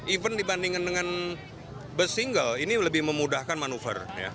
even dibandingkan dengan bus single ini lebih memudahkan manuver